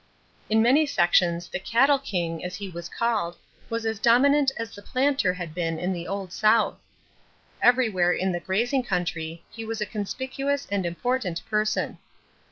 In many sections the "cattle king," as he was called, was as dominant as the planter had been in the old South. Everywhere in the grazing country he was a conspicuous and important person.